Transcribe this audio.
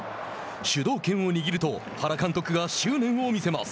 「主導権を握る」と原監督が執念を見せます。